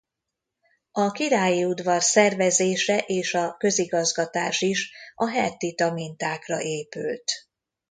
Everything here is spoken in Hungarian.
A királyi udvar szervezése és a közigazgatás is a hettita mintákra épült.